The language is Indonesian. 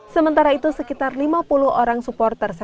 sementara itu sekitar lima puluh orang supporter